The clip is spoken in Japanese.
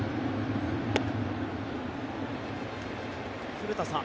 古田さん